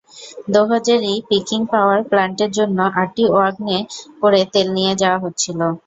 Dohazari peaking power প্ল্যান্টের জন্য আটটি ওয়াগনে করে তেল নিয়ে যাওয়া হচ্ছিল।